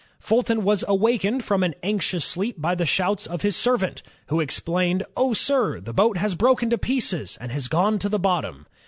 Fulton was awakened from an anxious sleep by the shouts of his servant, who exclaimed, "Oh, sir! the boat has broken to pieces and has gone to the bottom."